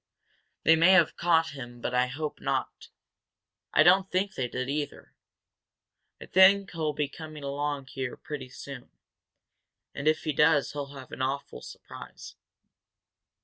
They may have caught him but I hope not. I don't think they did, either. I think he'll come along here pretty soon. And, if he does, he'll have an awful surprise."